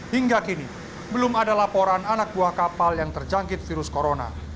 hingga kini belum ada laporan anak buah kapal yang terjangkit virus corona